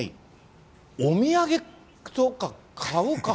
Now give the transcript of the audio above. お土産とか買うか？